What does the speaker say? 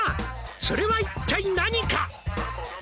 「それは一体何か」